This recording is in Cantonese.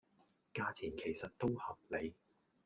價錢其實都合理